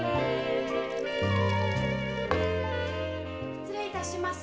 ・失礼いたします。